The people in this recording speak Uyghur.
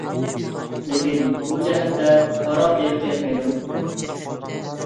لېكىن، بۇ جەھەتتە قارا ئېيىققا يەتمەيدۇ.